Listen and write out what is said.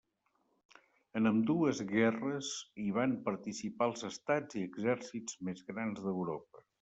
En ambdues guerres hi van participar els estats i exèrcits més grans d'Europa.